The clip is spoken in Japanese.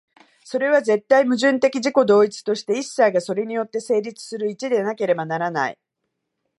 それは絶対矛盾的自己同一として、一切がそれによって成立する一でなければならない。